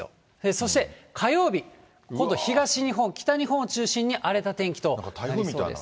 そして火曜日、今度東日本、北日本を中心に荒れた天気となりそうです。